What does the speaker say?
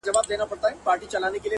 نور دي دسترگو په كتاب كي ـ